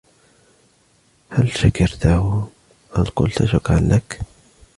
هل شكرتِهِ, هل قلتِ شكراً لك ؟